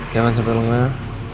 jangan sampai lengah